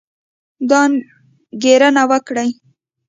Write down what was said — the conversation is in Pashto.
دا انګېرنه وکړئ